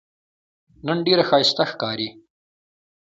نن ډېره ښایسته ښکارې